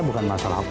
bukan saya tahu